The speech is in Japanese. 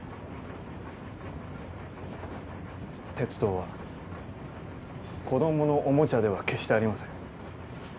鉄道は子供のおもちゃでは決してありません。